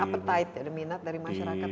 apatite minat dari masyarakat masih